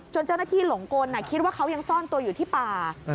เจ้าหน้าที่หลงกลคิดว่าเขายังซ่อนตัวอยู่ที่ป่า